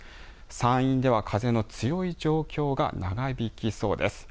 山陰では風の強い状況が長引きそうです。